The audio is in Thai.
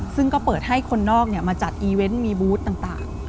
ซึ่งก็เปิดให้คนนอกมาจัดอีเวนต์มีบูธต่าง